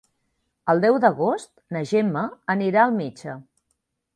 El deu d'agost na Gemma anirà al metge.